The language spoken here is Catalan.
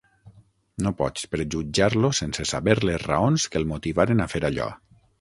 No pots prejutjar-lo sense saber les raons que el motivaren a fer allò.